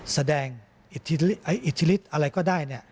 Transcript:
แสดงอิทธิฤทธิ์อะไรก็ได้